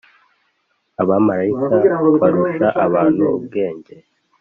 Abamarayika barusha abantu ubwenge